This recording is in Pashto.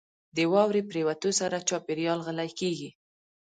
• د واورې پرېوتو سره چاپېریال غلی کېږي.